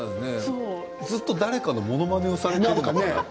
ずっと誰かのものまねをされてるのか。